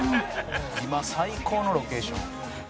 「今最高のロケーション」